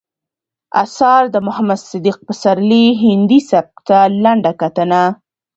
اثار، د محمد صديق پسرلي هندي سبک ته لنډه کتنه